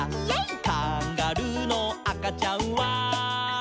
「カンガルーのあかちゃんは」